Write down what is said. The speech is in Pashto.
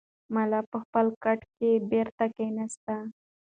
ملا په خپل کټ کې بېرته کښېناست.